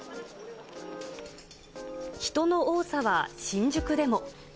人の多さは新宿でも。